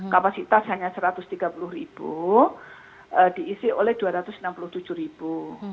kapasitas hanya satu ratus tiga puluh ribu diisi oleh dua ratus enam puluh tujuh ribu